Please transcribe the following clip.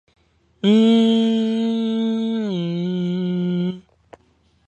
Kem was born in Hagerstown, Indiana.